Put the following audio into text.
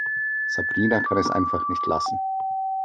Sabrina kann es einfach nicht lassen.